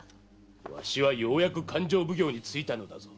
わしはようやく勘定奉行に就いたのだぞ。